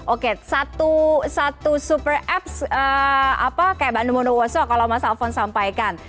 oke satu super apps kayak bandung bondowoso kalau mas alfon sampaikan